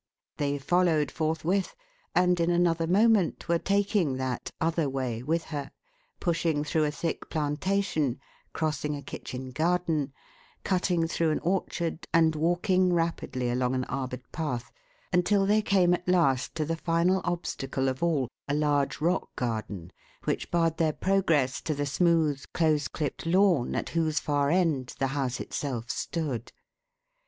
They followed forthwith, and in another moment were taking that "other way" with her, pushing through a thick plantation, crossing a kitchen garden, cutting through an orchard, and walking rapidly along an arboured path, until they came at last to the final obstacle of all a large rock garden which barred their progress to the smooth, close clipped lawn at whose far end the house itself stood.